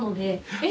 えっ！